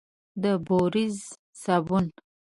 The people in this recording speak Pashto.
د بوروزې صابون،